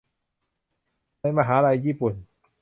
ในมหาลัยญี่ปุ่น